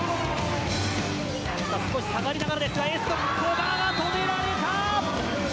少し下がりながらですがエースの古賀が止められた！